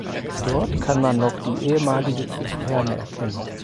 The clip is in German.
Dort kann man noch die ehemalige Zisterne erkennen.